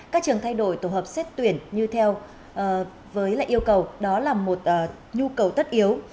các trường thay đổi tổ hợp xét tuyển như theo với lại yêu cầu đó là một nhu cầu tất yếu